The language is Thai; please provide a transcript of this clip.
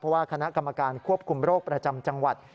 เพราะว่าคณะกรรมการควบคุมโรคประจำจังหวัด